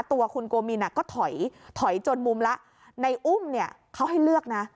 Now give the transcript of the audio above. ตัวคุณโกมินก็ถอยถอยจนมุมแล้วในอุ้มเนี่ยเขาให้เลือกนะ